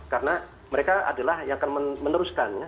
karena mereka adalah yang akan meneruskan